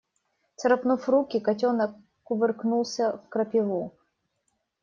Царапнув руки, котенок кувыркнулся в крапиву.